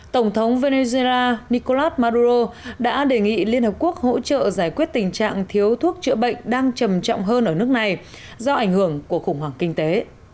tổng thống venezuela nicolas maduro đã đề nghị liên hợp quốc hỗ trợ giải quyết tình trạng thiếu thuốc chữa bệnh đang trầm trọng hơn ở nước này do ảnh hưởng của khủng hoảng kinh tế